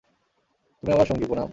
তুমি আমার সঙ্গি, পুনাম।